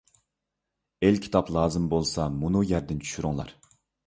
ئېلكىتاب لازىم بولسا مۇنۇ يەردىن چۈشۈرۈڭلار.